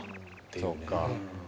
ていうか。